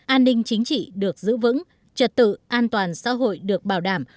an ninh chính trị được giữ vững trật tự an toàn xã hội được bảo đảm